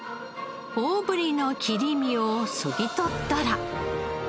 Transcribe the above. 大ぶりの切り身をそぎ取ったら。